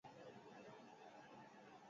Denon artean indartsuagoak gara.